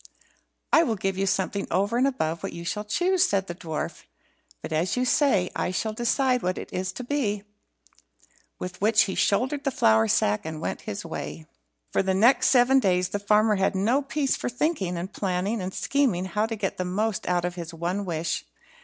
"I will give you something over and above what you shall choose," said the dwarf; "but, as you say, I shall decide what it is to be." With which he shouldered the flour sack, and went his way. For the next seven days, the farmer had no peace for thinking, and planning, and scheming how to get the most out of his one wish.